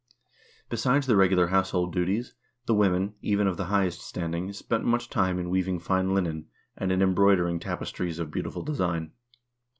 Besides the regular household duties, the women, even of the highest standing, spent much time in weaving fine linen, and in embroidering tapestries of beautiful design.